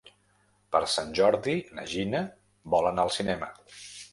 Per Sant Jordi na Gina vol anar al cinema.